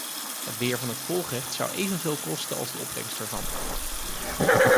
Het beheer van het volgrecht zou evenveel kosten als de opbrengst ervan.